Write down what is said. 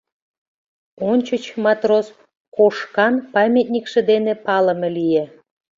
Ончыч матрос Кошкан памятникше дене палыме лие.